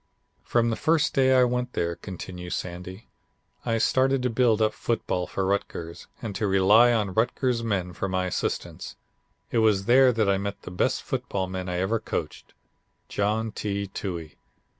"From the first day I went there," continues Sandy, "I started to build up football for Rutgers and to rely on Rutgers men for my assistants. It was there that I met the best football man I ever coached, John T. Toohey.